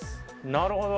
なるほど！